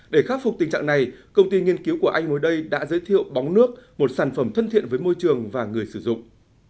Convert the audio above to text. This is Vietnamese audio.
để khắc phục tình trạng này công ty nghiên cứu của anh mới đây đã giới thiệu bóng nước một sản phẩm thân thiện với môi trường và người sử dụng